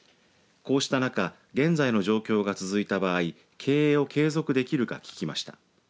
こうした中現在の状況が続いた場合経営を継続できるか聞きました。